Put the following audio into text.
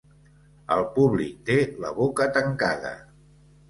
El públic té la boca tancada.